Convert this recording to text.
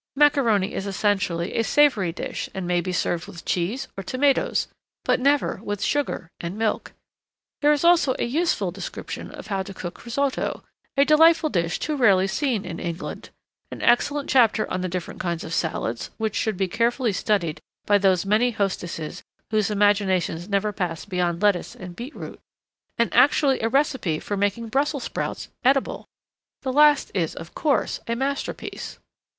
Macaroni is essentially a savoury dish and may be served with cheese or tomatoes but never with sugar and milk. There is also a useful description of how to cook risotto a delightful dish too rarely seen in England; an excellent chapter on the different kinds of salads, which should be carefully studied by those many hostesses whose imaginations never pass beyond lettuce and beetroot; and actually a recipe for making Brussels sprouts eatable. The last is, of course, a masterpiece.